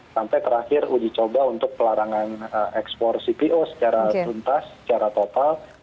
sampai terakhir uji coba untuk pelarangan ekspor cpo secara tuntas secara total